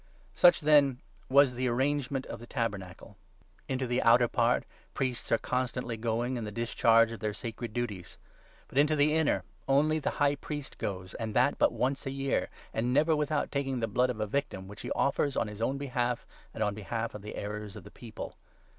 Such, then, was the arrangement of the 6 Tabernacle. Into the outer part priests are constantly going, in the discharge of their sacred duties ; but into the inner only 7 the High Priest goes, and that but once a year, and never without taking the blood of a victim, which he offers on his own behalf, and on behalf of the errors of the People.